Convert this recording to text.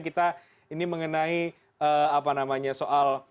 kita ini mengenai apa namanya soal